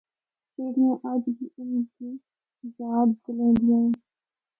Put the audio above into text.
سیڑھیاں اجّ بھی ان دی یاد دلیندیاں ہن۔